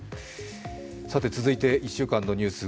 続いて１週間のニュース